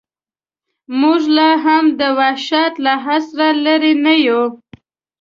موږ لا هم د وحشت له عصره لرې نه یو.